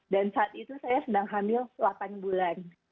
dan saat itu saya sedang hamil delapan bulan